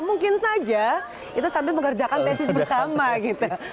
mungkin saja itu sambil mengerjakan tesis bersama gitu